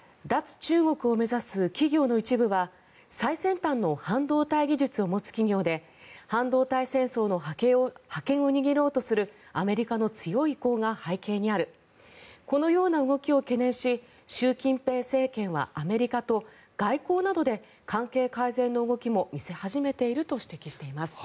中国を目指す企業の一部は最先端の半導体技術を持つ企業で半導体戦争の覇権を握ろうとするアメリカの強い意向が背景にあるこのような動きを懸念し習近平政権はアメリカと外交などで関係改善の動きも見せ始めていると指摘しています。